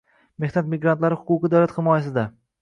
Mehnat migrantlari huquqi davlat himoyasida